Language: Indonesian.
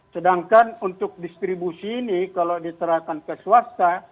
sedangkan untuk distribusi ini kalau diserahkan ke swasta